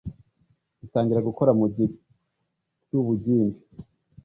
Itangira gukora mu gihe cy’ubugimbi,